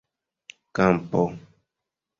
kampo